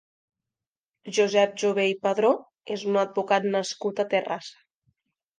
Josep Jover i Padró és un advocat nascut a Terrassa.